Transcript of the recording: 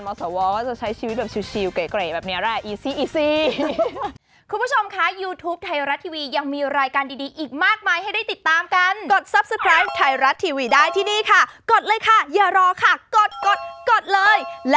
มาว่าจะใช้ชีวิตแบบชิวเก๋ยวแบบนี้แหละ